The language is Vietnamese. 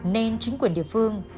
nên chính quyền địa phương